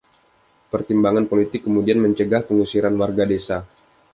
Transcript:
Pertimbangan politik kemudian mencegah pengusiran warga desa.